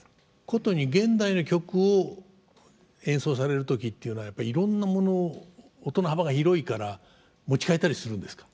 殊に現代の曲を演奏される時っていうのはやっぱりいろんなものを音の幅が広いから持ち替えたりするんですか？